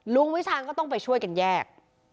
วิชาญก็ต้องไปช่วยกันแยก